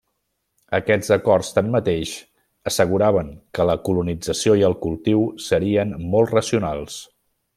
Aquests acords tanmateix, asseguraven que la colonització i el cultiu serien molt racionals.